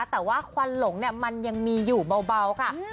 แต่ว่าควันหลงมันยังมีอยู่เบาค่ะ